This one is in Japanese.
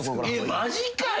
マジかよ。